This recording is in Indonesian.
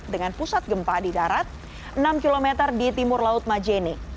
dengan pusat gempa di darat enam km di timur laut majene